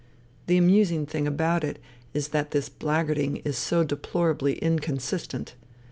The amusing thing about it is that this blackguarding is so deplorably inconsistent.